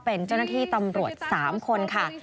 เป็นเจ้าหน้าที่ตำรวจ๓คนค่ะ